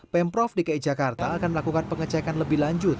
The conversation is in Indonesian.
pemprov dki jakarta akan melakukan pengecekan lebih lanjut